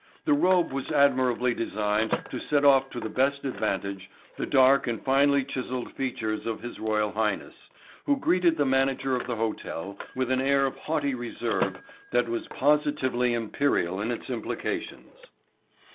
The robe was admirably designed to set off to the best advantage the dark and finely chiseled features of His Royal Highness, who greeted the manager of the hotel with an air of haughty reserve that was positively imperial in its implications.